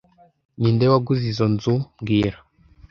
Ninde waguze izoi nzu mbwira